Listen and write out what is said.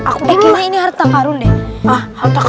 aku dulu ini harta karun deh